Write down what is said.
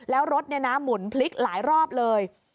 แล้วรถหมุนพลิกหลายรอบเลย